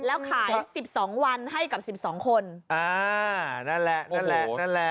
แล้วขายสิบสองวันให้กับสิบสองคนอ่านั่นแหละนั่นแหละนั่นแหละ